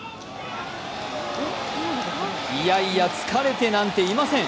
いやいや疲れてなんていません。